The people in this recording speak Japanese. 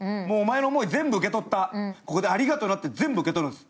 お前の思い、全部受け取った、ありがとなって全部受け取るんです。